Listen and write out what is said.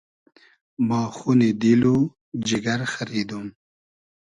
ما خونی دیل و جیگر خئریدوم